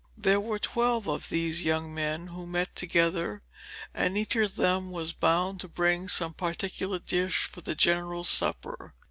There were twelve of these young men who met together, and each of them was bound to bring some particular dish for the general supper.